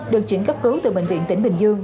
được chuyển cấp cứu từ bệnh viện tỉnh bình dương